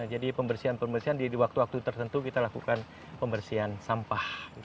jadi pembersihan pembersihan di waktu waktu tertentu kita lakukan pembersihan sampah